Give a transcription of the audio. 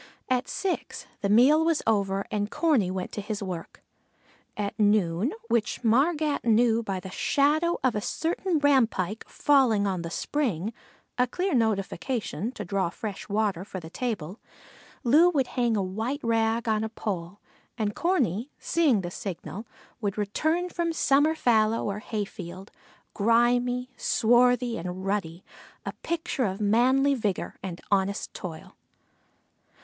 At six the meal was over and Corney went to his work. At noon, which Margat knew by the shadow of a certain rampike falling on the spring, a clear notification to draw fresh water for the table, Loo would hang a white rag on a pole, and Corney, seeing the signal, would return from summer fallow or hayfield, grimy, swarthy, and ruddy, a picture of manly vigor and honest toil.